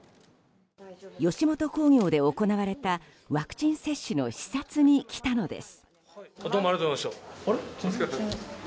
吉本興業で行われたワクチン接種の視察に来たのです。